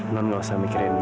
non gak usah mikirin